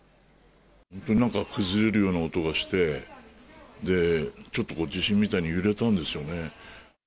なんか崩れるような音がして、で、ちょっと地震みたいに揺れたんですよね。